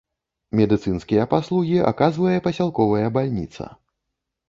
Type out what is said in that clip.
Медыцынскія паслугі аказвае пасялковая бальніца.